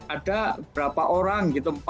ada berapa orang gitu